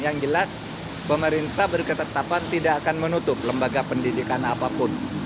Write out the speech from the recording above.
yang jelas pemerintah berketetapan tidak akan menutup lembaga pendidikan apapun